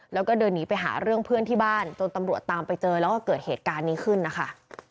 แล้วก็เดินหนีไปหาเรื่องเพื่อนที่บ้านจนตำรวจตามไปเจอแล้วก็เกิดเหตุการณ์นี้ขึ้นนะคะ